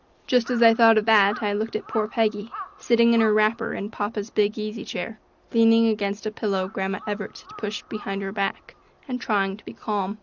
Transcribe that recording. Just as I thought of that I looked at poor Peggy, sitting in her wrapper in papa's big easy chair, leaning against a pillow Grandma Evarts had put behind her back, and trying to be calm.